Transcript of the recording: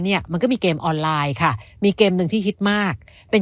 เนี่ยมันก็มีเกมออนไลน์ค่ะมีเกมหนึ่งที่ฮิตมากเป็น